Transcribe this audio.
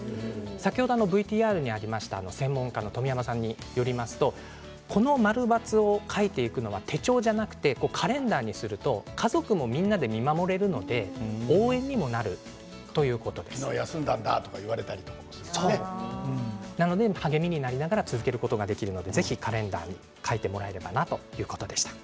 先ほどＶＴＲにありました専門家の冨山さんによりますとこの○×を書いていくのは手帳ではなくてカレンダーにすると家族もみんなで見守れるので応援にもなる昨日休んだんだとか励みになりながら続けることができるのでカレンダーに書いてもらえればということでした。